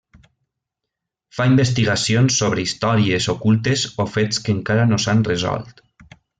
Fa investigacions sobre històries ocultes o fets que encara no s'han resolt.